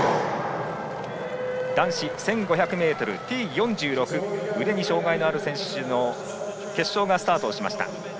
男子１５００ｍＴ４６腕に障がいのある選手の決勝がスタート。